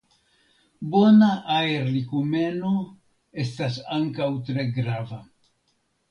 Bona aerlikumeno estas ankaŭ tre grava.